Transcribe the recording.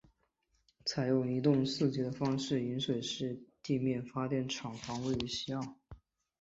采用一洞四机的方式引水式地面发电厂房位于右岸。